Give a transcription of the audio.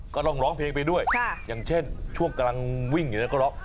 ก็ลองร้องเพลงไปด้วยอย่างเช่นช่วงกำลังวิ่งอยู่แล้วก็ร้อง